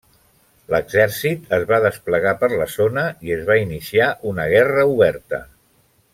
L'exèrcit es va desplegar per la zona i es va iniciar una guerra oberta.